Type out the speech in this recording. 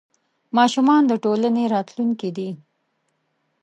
ماشومان د ټولنې راتلونکې دي.